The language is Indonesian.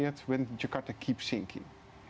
ketika jakarta terus menurun